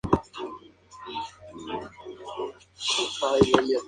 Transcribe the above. La película "The Truman Show" fue filmada en Seaside.